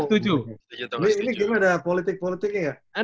lu ini game ada politik politiknya gak